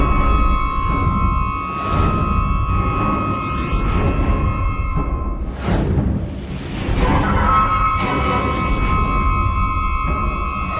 jangan sekali kami berpacaran brooke